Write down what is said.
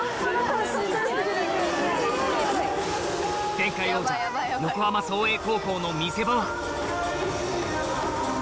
前回の王者横浜創英高校の見せ場は